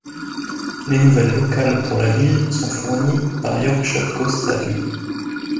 Les nouvelles locales pour la ville sont fournies par Yorkshire Coast Radio.